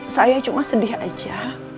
saya cuma sedih aja